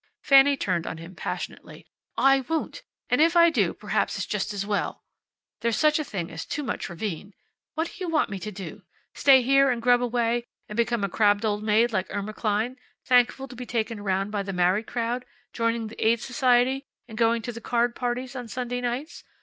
Fanny turned on him passionately. "I won't! And if I do, perhaps it's just as well. There's such a thing as too much ravine. What do you want me to do? Stay here, and grub away, and become a crabbed old maid like Irma Klein, thankful to be taken around by the married crowd, joining the Aid Society and going to the card parties on Sunday nights?